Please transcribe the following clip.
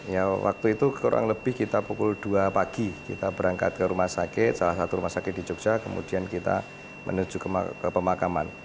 ya waktu itu kurang lebih kita pukul dua pagi kita berangkat ke rumah sakit salah satu rumah sakit di jogja kemudian kita menuju ke pemakaman